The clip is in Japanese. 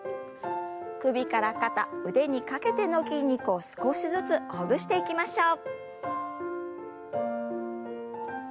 首から肩腕にかけての筋肉を少しずつほぐしていきましょう。